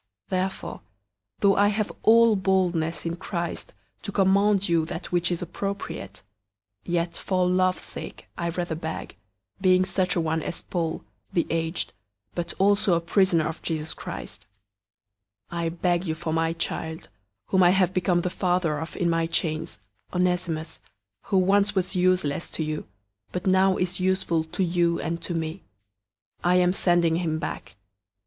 001:008 Therefore, though I have all boldness in Christ to command you that which is appropriate, 001:009 yet for love's sake I rather beg, being such a one as Paul, the aged, but also a prisoner of Jesus Christ. 001:010 I beg you for my child, whom I have become the father of in my chains, Onesimus,{Onesimus means "useful."} 001:011 who once was useless to you, but now is useful to you and to me. 001:012 I am sending him back.